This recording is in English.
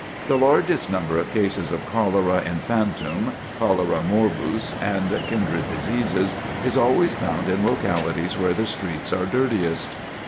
The largest number of cases of cholera infantum, cholera morbus, and kindred disease, is always found in localities where the streets are dirtiest."